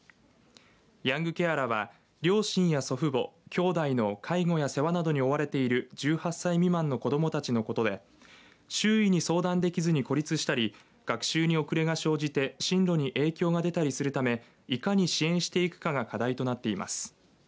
ヤングケアラーは両親や祖父母、きょうだいの介護や世話などに追われている１８歳未満の子どもたちのことで周囲に相談できずに孤立したり学習に遅れが生じて進路に影響が出たりするためいかに支援していくかが課題となっています。